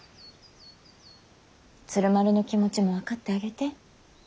鶴丸の気持ちも分かってあげて。